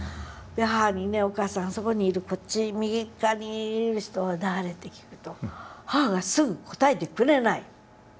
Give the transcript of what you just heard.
母に「ねえお母さんそこにいる右側にいる人は誰？」って聞くと母がすぐ答えてくれない。